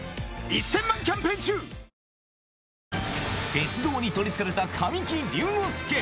鉄道に取りつかれた神木隆之介。